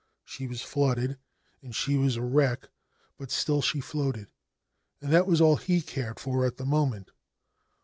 She was flooded, and she was a wreck ; but still she floated, and that was all he cared for at the moment.